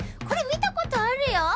これみたことあるよ。